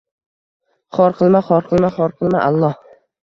Xor qilma, xor qilma, xor qilma, Alloh.